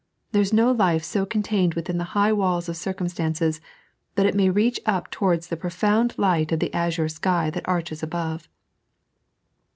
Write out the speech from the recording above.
There is no life so contained within the bigb walls of circumstances, but it may reach up towards the pro found light of the azure sky that arches above.